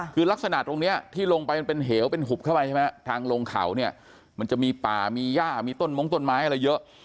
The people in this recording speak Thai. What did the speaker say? คือลักษณะตรงนี้ที่ลงไปมันเป็นเหวเป็นหุบเข้าไปใช่ไหมทางลงเขาเนี่ยมันจะมีป่ามีย่ามีต้นมงต้นไม้อะไรเยอะ